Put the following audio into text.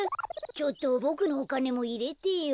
ちょっとボクのおかねもいれてよ。